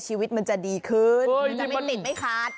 ชีวิตมันจะดีขึ้นมันจะไม่ติดไม่ขาด